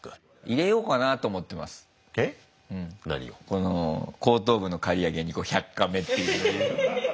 この後頭部の刈り上げに「１００カメ」って。